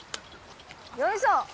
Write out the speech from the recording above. よいしょ！